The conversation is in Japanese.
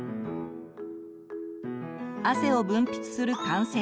汗を分泌する汗腺。